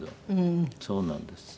そうなんですよ。